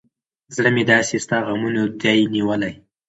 زړه مې داسې ستا غمونه دى نيولى.